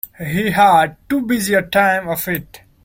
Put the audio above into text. He had too busy a time of it.